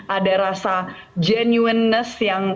ada rasa genuinitas